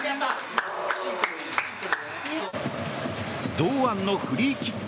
堂安のフリーキック。